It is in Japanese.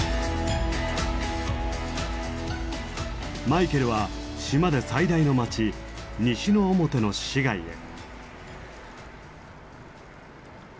マイケルは島で最大の町西之表の市街へ。